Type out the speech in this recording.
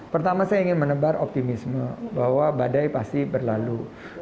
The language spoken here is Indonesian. pertama saya ingin menebar optimisme bahwa badai pasti berlalu